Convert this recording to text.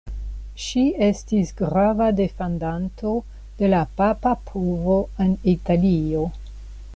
Ŝi estis grava defendanto de la papa povo en Italio.